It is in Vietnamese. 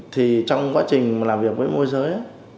thì trong quá trình làm việc với môi giới